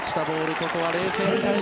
ここは冷静に対処。